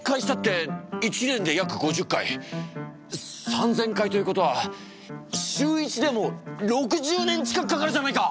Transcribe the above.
３，０００回ということは週１でも６０年近くかかるじゃないか！